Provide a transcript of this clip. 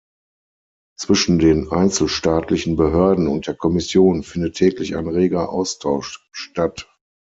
Zwischen den einzelstaatlichen Behörden und der Kommission findet täglich ein reger Austausch statt.